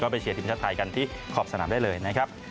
ไปเชียร์ทีมชาติไทยกันที่ขอบสนามได้เลยนะครับ